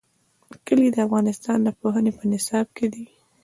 کلي د افغانستان د پوهنې په نصاب کې دي.